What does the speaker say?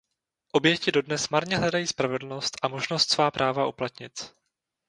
Oběti dodnes marně hledají spravedlnost a možnost svá práva uplatnit.